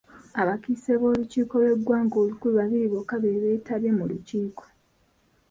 Abakiise b'olukiiko lw'eggwanga olukulu babiri bokka be beetabye mu lukiiko.